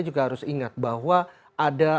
juga harus ingat bahwa ada